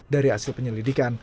dari hasil penyelidikan